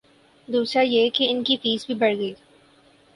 دوسرا یہ کہ ان کی فیس بھی بڑھ گئی۔